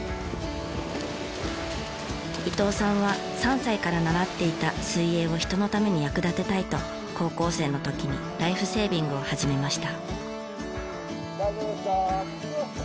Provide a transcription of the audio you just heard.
伊藤さんは３歳から習っていた水泳を人のために役立てたいと高校生の時にライフセービングを始めました。